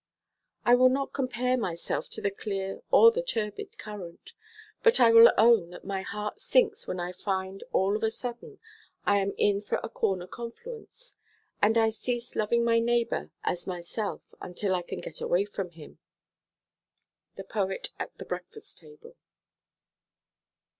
I will not compare myself to the clear or the turbid current, but I will own that my heart sinks when I find all of a sudden I am in for a corner confluence, and I cease loving my neighbor as myself until I can get away from him. _The Poet at the Breakfast Table.